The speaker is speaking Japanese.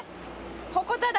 鉾田だ！